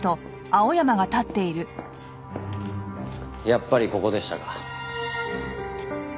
やっぱりここでしたか。